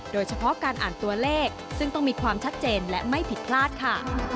โดยเฉพาะการอ่านตัวเลขซึ่งต้องมีความชัดเจนและไม่ผิดพลาดค่ะ